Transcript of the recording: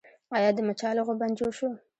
آیا د مچالغو بند جوړ شو؟